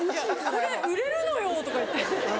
「これ売れるのよ」とか言って。